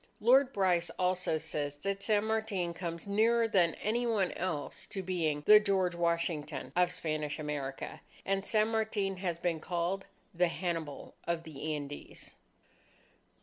Lord Bryce also says that San Martin comes nearer than any one else to being "the George Washington of Spanish America." And San Martin has been called, "the Hannibal of the Andes."